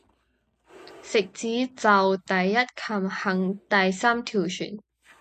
食指就第一琴衍，第三條弦